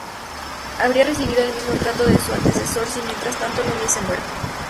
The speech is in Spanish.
Habría recibido el mismo trato que su antecesor si mientras tanto no hubiese muerto.